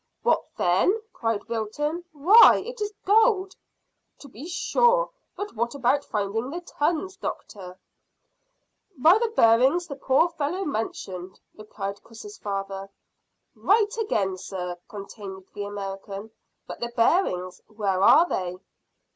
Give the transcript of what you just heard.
"What then?" cried Wilton. "Why, it is gold." "To be sure; but what about finding the tons, doctor?" "By the bearings the poor fellow mentioned," replied Chris's father. "Right again, sir," continued the American; "but the bearings where are they?"